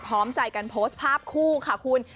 พร้อมใจกันโพสต์ภาพคู่ค่ะคุณ